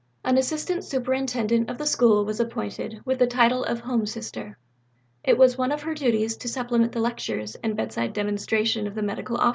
An Assistant Superintendent of the School was appointed with the title of Home Sister. It was one of her duties to supplement the lectures and bedside demonstration of the medical officers by regular class teaching.